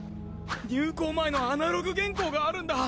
入稿前のアナログ原稿があるんだ。